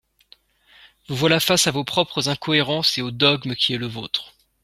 Vous voilà face à vos propres incohérences et au dogme qui est le vôtre.